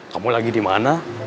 kamu lagi dimana